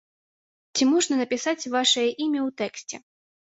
Ці можна напісаць вашае імя ў тэксце?